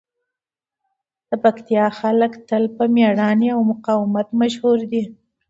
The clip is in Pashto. د پکتیکا خلک تل په مېړانې او مقاومت مشهور دي.